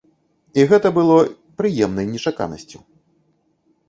І гэта было прыемнай нечаканасцю.